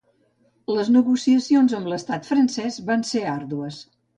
Les negociacions amb l'estat francès van ser àrdues.